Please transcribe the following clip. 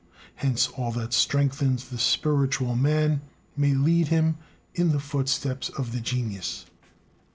Hence all that strengthens the spiritual man may lead him in the footsteps of the genius.